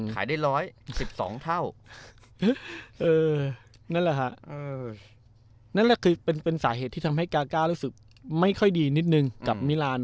ขายได้๑๑๒เท่านั่นแหละฮะนั่นแหละคือเป็นสาเหตุที่ทำให้กาก้ารู้สึกไม่ค่อยดีนิดนึงกับมิราน